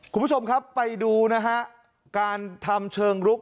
คุณผู้ชมครับไปดูนะฮะการทำเชิงลุก